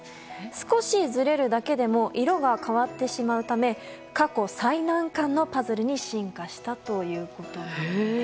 少しずれるだけでも色が変わってしまうため過去最難関のパズルに進化したということです。